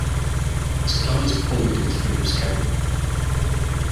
Supplies poured into Philip's camp.